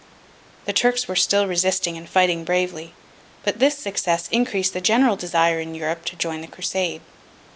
The Turks were still resisting and fighting bravely, but this success increased the general desire in Europe to join the Crusade.